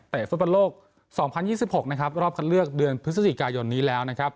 เตะฟุตบันโลก๒๐๒๖รอบคันเลือกเดือนพฤศจิกายนนี้แล้ว